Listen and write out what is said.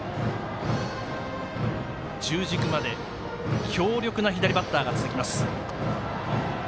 中軸まで強力な左バッターが続きます。